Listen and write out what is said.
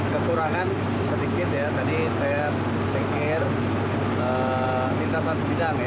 kekurangan sedikit ya tadi saya pikir pintasan sepidang ya